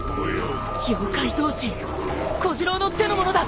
妖怪同心小次郎の手の者だ。